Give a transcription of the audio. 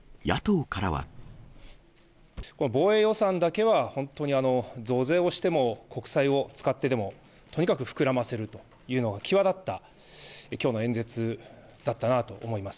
防衛予算だけは本当に増税をしても、国債を使ってでも、とにかく膨らませるというのが際立ったきょうの演説だったと思います。